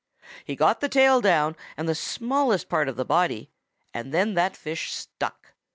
He got the tail down and the smallest part of the body, and then that fish stuck.